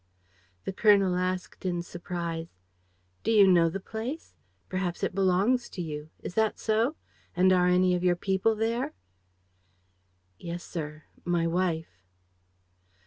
The colonel asked, in surprise: "Do you know the place? Perhaps it belongs to you? Is that so? And are any of your people there?" "Yes, sir, my wife."